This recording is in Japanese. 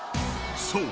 ［そう！